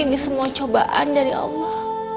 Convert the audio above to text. ini semua cobaan dari allah